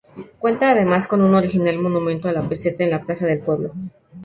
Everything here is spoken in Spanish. Cuenta además, con un original monumento a la peseta en la plaza del pueblo.